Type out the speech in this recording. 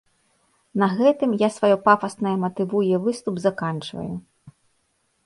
На гэтым я сваё пафаснае матывуе выступ заканчваю.